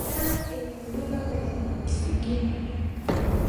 Sindano ilimdunga kwenye kisigino